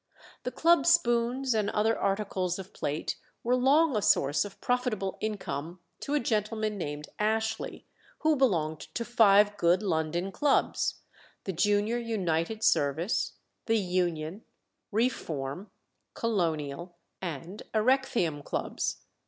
The club spoons and other articles of plate were long a source of profitable income to a gentleman named Ashley, who belonged to five good London clubs the Junior United Service, the Union, Reform, Colonial, and Erecthæum clubs.